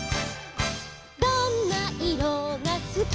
「どんないろがすき」「」